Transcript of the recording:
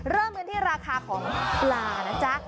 เริ่มกันที่ราคาของปลานะจ๊ะ